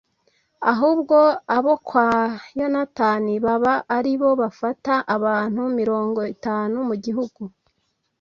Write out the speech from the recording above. ahubwo abo kwa yonatani baba ari bo bafata abantu mirongo itanu mu gihugu